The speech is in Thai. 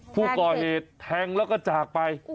ผู้ก่อเหตุแทงแล้วก็จากไป